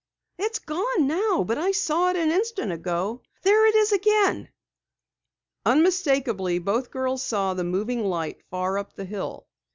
"It's gone now, but I saw it an instant ago. There it is again!" Unmistakably, both girls saw the moving light far up the hill.